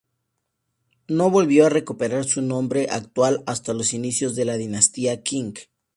No volvió a recuperar su nombre actual hasta los inicios de la dinastía Qing.